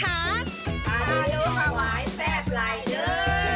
อารุฮาวายแซ่บไหลเดอร์